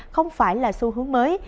không phải là xu hướng mới